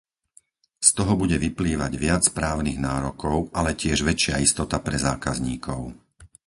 Z toho bude vyplývať viac právnych nárokov, ale tiež väčšia istota pre zákazníkov.